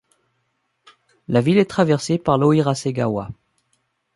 La ville est traversée par l'Oirase-gawa.